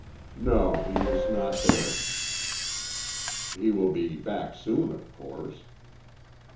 "No, he is not there." "He will be back soon, of course."